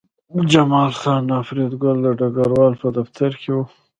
جمال خان او فریدګل د ډګروال په دفتر کې وو